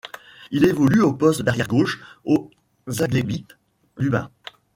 Il évolue au poste d'arrière gauche au Zagłębie Lubin.